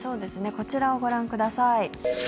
こちらをご覧ください。